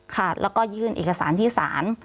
ค่ะแล้วก็ยื่นเอกสารที่ศาล